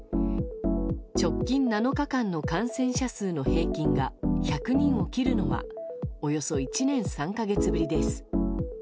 直近７日間の感染者数の平均が１００人を切るのはおよそ１年３か月ぶりです。